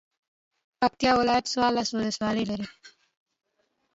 پکتيا ولايت څوارلس ولسوالۍ لري.